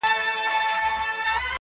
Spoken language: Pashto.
ښه پر بدوښه هغه دي قاسم یاره,